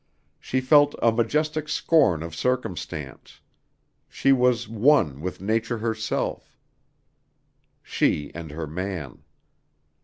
She felt a majestic scorn of circumstance. She was one with Nature herself, she and her man.